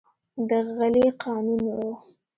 د غلې قانون و.